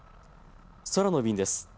空の便です。